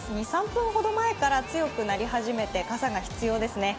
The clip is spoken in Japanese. ２３分ほど前から強くなり始めて傘が必要ですね。